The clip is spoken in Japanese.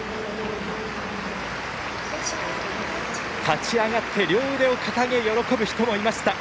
立ち上がって両腕を上げて喜ぶ人もいました。